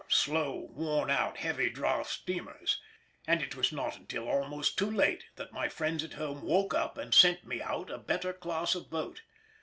_ slow, worn out, heavy draught steamers, and it was not until almost too late that my friends at home woke up and sent me out a better class of boat.